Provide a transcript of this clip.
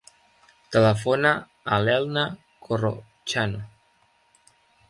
Telefona a l'Elna Corrochano.